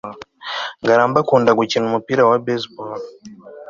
ngarambe akunda gukina umupira wa baseball